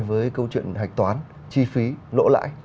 với câu chuyện hạch toán chi phí lỗ lãi